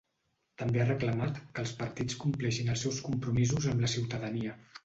També ha reclamat que els partits compleixin els seus compromisos amb la ciutadania.